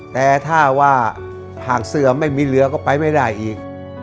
แต่ถ้าว่าหากเสือไม่มีเหลือก็ไปไม่ได้อีก